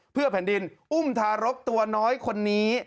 เพื่อแผ่นดินอุ้มทารกตัวน้อยคนนี้